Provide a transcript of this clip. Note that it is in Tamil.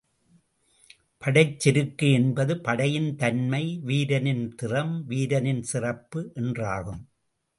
படைச்செருக்கு என்பது படையின் தன்மை, வீரனின் திறம், வீரனின் சிறப்பு என்றாகும்.